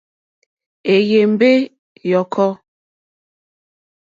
Èyémbé ǃyɔ́kɔ́.